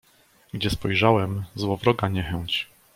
"Gdzie spojrzałem, złowroga niechęć."